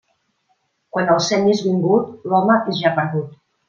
Quan el seny és vingut, l'home és ja perdut.